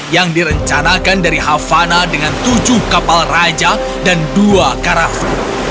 yang direncanakan dari havana dengan tujuh kapal raja dan dua karavru